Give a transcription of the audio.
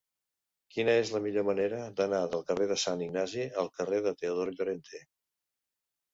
Quina és la millor manera d'anar del carrer de Sant Ignasi al carrer de Teodor Llorente?